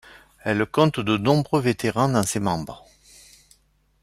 Elle compte de nombreux vétérans dans ses membres.